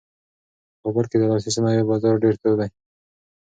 په کابل کې د لاسي صنایعو بازار ډېر تود دی.